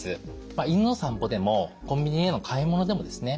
犬の散歩でもコンビニへの買い物でもですね